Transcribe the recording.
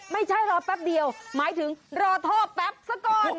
ไม่ใช่รอแป๊บเดียวหมายถึงรอท่อแป๊บซะก่อน